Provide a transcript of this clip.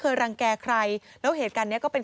ที่มันก็มีเรื่องที่ดิน